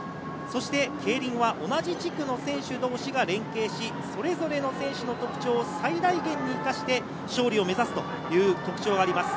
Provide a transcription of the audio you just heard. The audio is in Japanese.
競輪は同じ地区の選手同士が連係し、それぞれの選手の特徴を最大限に生かして勝利を目指すという特徴があります。